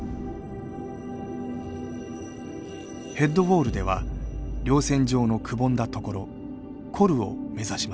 ヘッドウォールでは稜線上のくぼんだ所「コル」を目指します。